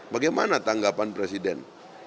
bagaimana tanggapan presiden